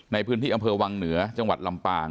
ในพื้นที่อำเภอวังเหนือจังหวัดลำปาง